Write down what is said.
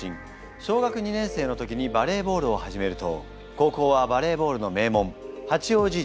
小学２年生の時にバレーボールを始めると高校はバレーボールの名門八王子実践高等学校に入学。